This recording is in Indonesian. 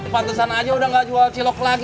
pantesan aja udah gak jual cilok lagi